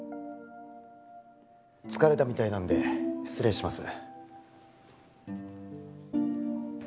疲れたみたいなんで失礼します。